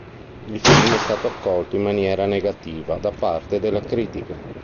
Il film è stato accolto in maniera negativa da parte della critica.